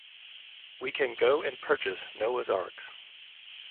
We can go and purchase Noah's arks.